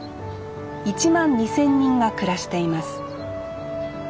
１万２，０００人が暮らしています